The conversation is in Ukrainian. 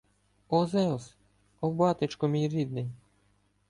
О Зевс! О батечку мій рідний!